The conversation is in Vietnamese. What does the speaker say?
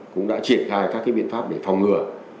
cũng đã triển khai các biện pháp để phòng ngừa